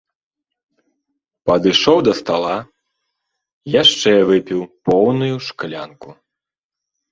Падышоў да стала, яшчэ выпіў поўную шклянку.